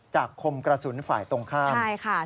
จากคมกระสุนฝ่ายตรงข้าม